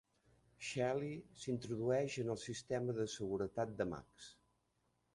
Shelly s'introdueix en el sistema de seguretat de Max.